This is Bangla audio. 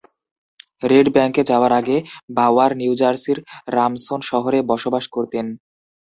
রেড ব্যাংকে যাওয়ার আগে বাউয়ার নিউ জার্সির রামসন শহরে বসবাস করতেন।